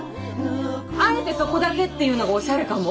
あえてそこだけっていうのがおしゃれかも。